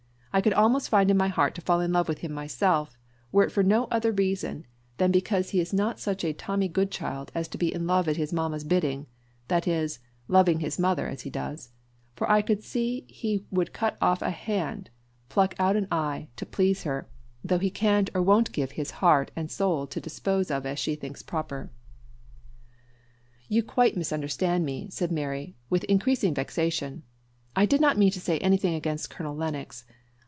I could almost find in my heart to fall in love with him myself, were it for no other reason than because he is not such a Tommy Goodchild as to be in love at his mamma's bidding that is, loving his mother as he does for I see he could cut off a hand, or pluck out an eye, to please her, though he can't or won't give her his heart and soul to dispose of as she thinks proper." "You quite misunderstand me," said Mary, with increasing vexation. "I did not mean to say anything against Colonel Lennox.